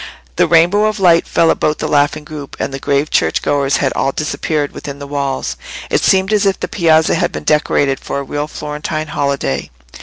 The rainbow light fell about the laughing group, and the grave church goers had all disappeared within the walls. It seemed as if the piazza had been decorated for a real Florentine holiday.